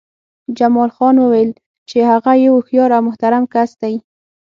جمال خان وویل چې هغه یو هوښیار او محترم کس دی